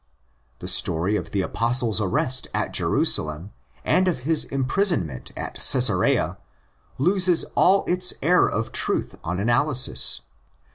The story of the Apostle's arrest at Jerusalem and of his imprisonment at Cxsarea loses all its air of truth on analysis.